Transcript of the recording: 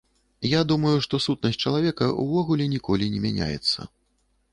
Я думаю, што сутнасць чалавека ўвогуле ніколі не мяняецца.